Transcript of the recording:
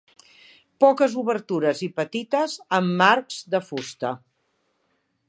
Poques obertures i petites amb marcs de fusta.